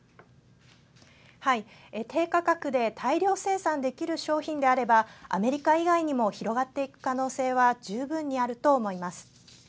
低価格で大量生産できる商品であればアメリカ以外にも広がっていく可能性は十分にあると思います。